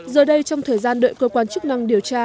giờ đây trong thời gian đợi cơ quan chức năng điều tra